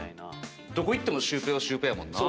どこ行ってもシュウペイはシュウペイやもんな。